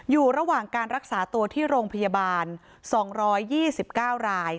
อยู่ระหว่างการรักษาตัวที่โรงพยาบาล๒๒๙ราย